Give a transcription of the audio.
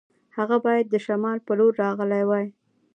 هغه باید د شمال په لور راغلی وای.